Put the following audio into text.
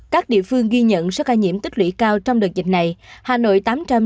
các địa phương ghi nhận số ca nhiễm tích lũy cao trong đợt dịch này hà nội tám trăm chín mươi một một trăm bốn mươi năm